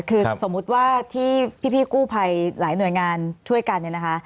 คือสมมุติว่าที่พี่กู้ภัยหลายหน่วยงานช่วยกันเนี่ยนะคะ